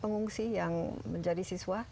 pengungsi yang menjadi siswa